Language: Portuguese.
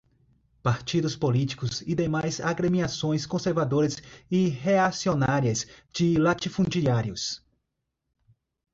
partidos políticos e demais agremiações conservadoras e reacionárias de latifundiários